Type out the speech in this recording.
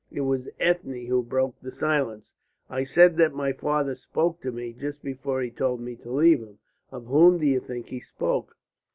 It was Ethne who broke the silence. "I said that my father spoke to me just before he told me to leave him. Of whom do you think he spoke?"